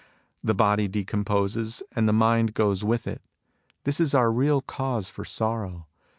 The body decomposes, and the mind goes with it. This is our real cause for sorrow.